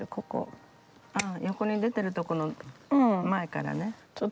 ああ横に出てるとこの前からね。